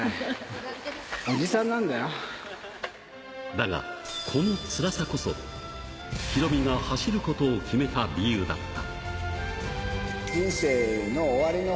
だが、このつらさこそ、ヒロミが走ることを決めた理由だった。